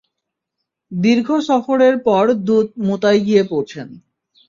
দীর্ঘ সফরের পর দূত মুতায় গিয়ে পৌঁছেন।